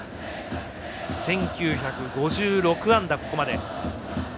１９５６安打、ここまで。